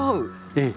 ええ。